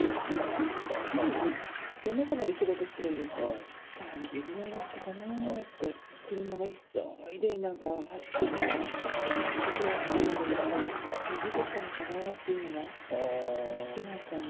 主人は夜中まで仕事してるんですね、３時ぐらいだったかなって、車が急いでなんか走っていった音がしたので、あれ、逃げていったのかなっていうのは聞きましたね。